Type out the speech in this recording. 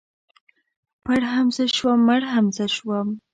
ـ پړ هم زه شوم مړ هم زه شوم.